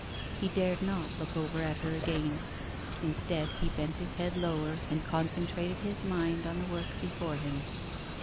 He dared not look over at her again. Instead, he bent his head lower and concentrated his, mind on the work before him.